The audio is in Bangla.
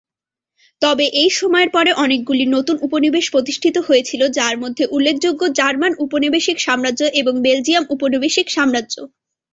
তবে এই সময়ের পরে অনেকগুলি নতুন উপনিবেশ প্রতিষ্ঠিত হয়েছিল যা মধ্যে উল্লেখযোগ্য জার্মান উপনিবেশিক সাম্রাজ্য এবং বেলজিয়াম উপনিবেশিক সাম্রাজ্য।